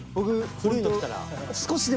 古いの来たら。